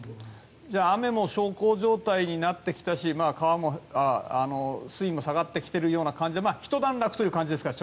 じゃあ雨も小康状態になってきたし川も水位も下がってきているような感じでひと段落という感じですか？